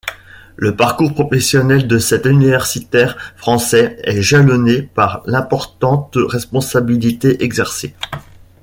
Le parcours professionnel de cet universitaire français est jalonné par d’importantes responsabilités exercées.